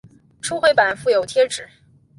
初回版附有贴纸。